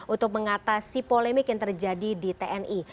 untuk mengatasi polemik yang terjadi di tni